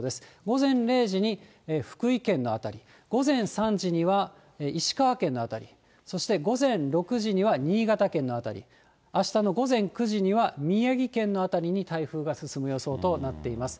午前０時に福井県の辺り、午前３時には石川県の辺り、そして午前６時には新潟県の辺り、あしたの午前９時には、宮城県の辺りに台風が進む予想となっています。